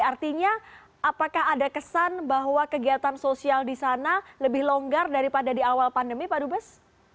artinya apakah ada kesan bahwa kegiatan sosial di sana lebih longgar daripada di awal pandemi pak dubes